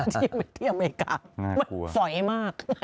ที่อเมริกาสอยมาก